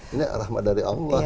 ini rahmat dari allah